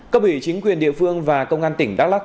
cấp ủy chính quyền địa phương và công an tỉnh đắk lắc